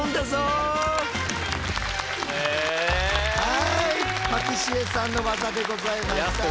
はいパティシエさんの技でございました。